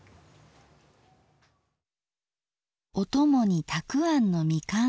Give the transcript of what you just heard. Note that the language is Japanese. おともにたくあんのみかんあえ。